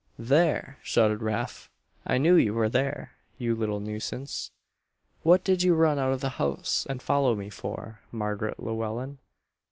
"There!" shouted Rafe. "I knew you were there, you little nuisance. What did you run out of the house and follow me for, Mar'gret Llewellen?"